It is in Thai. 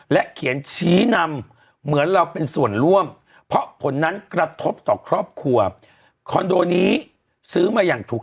และเขียนชี้นำเหมือนเราเป็นส่วนร่วม